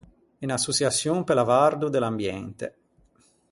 Unn’assoçiaçion pe l’avvardo de l’ambiente.